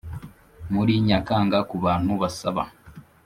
muri Nyakanga ku bantu basaba